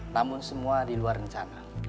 namun semua diluar rencana